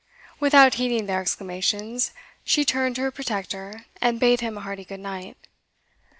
Without heeding their exclamations, she turned to her protector and bade him a hearty good night.